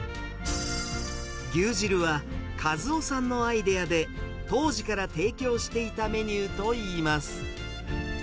牛汁は一男さんのアイデアで、当時から提供していたメニューといいます。